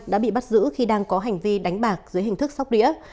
đã bị bắt giữ khi đang có hành vi đánh bạc dưới hình thức sóc đĩa